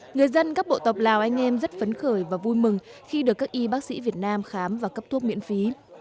người dân các bộ tộc lào anh em rất phấn khởi và vui mừng khi được các y bác sĩ việt nam khám và cấp thuốc miễn phí